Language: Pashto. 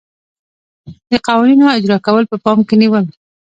د قوانینو اجرا کول په پام کې نیول.